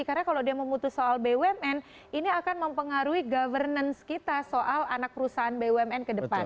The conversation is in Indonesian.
karena kalau dia memutus soal bumn ini akan mempengaruhi governance kita soal anak perusahaan bumn ke depan